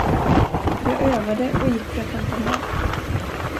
Jag övade och gick för att hämta mat.